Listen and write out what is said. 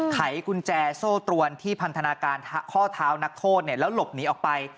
ไขกุญแจโซ่ตรวนที่พันธนาการข้อเท้านักโทษแล้วหลบหนีออกไป